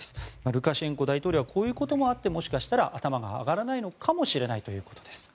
ルカシェンコ大統領はこういうこともあってもしかしたら頭が上がらないのかもしれないということです。